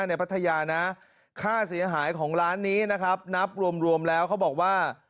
พัทยานะค่าเสียหายของร้านนี้นะครับนับรวมแล้วเขาบอกว่า